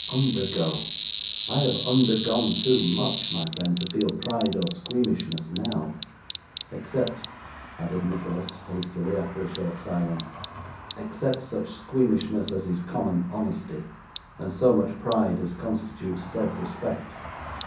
Undergo! I have undergone too much, my friend, to feel pride or squeamishness now. Except ' added Nicholas hastily, after a short silence, 'except such squeamishness as is common honesty, and so much pride as constitutes self respect.